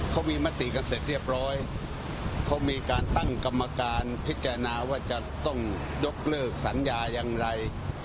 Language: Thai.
เขามีมติกันเสร็จเรียบร้อยเขามีการตั้งกรรมการพิจารณาว่าจะต้องยกเลิกสัญญาอย่างไร